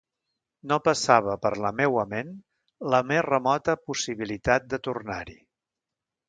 No passava per la meua ment la més remota possibilitat de tornar-hi.